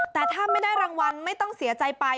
แต่ถ้าไม่ได้รางวัลไม่ต้องเสียใจไป